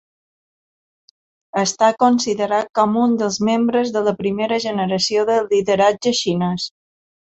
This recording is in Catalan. Està considerat com un dels membres de la primera generació de lideratge xinès.